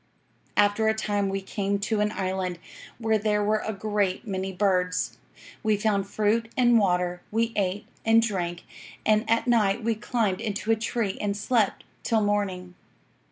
"'After a time we came to an island, where there were a great many birds. We found fruit and water, we ate and drank, and at night we climbed into a tree and slept till morning.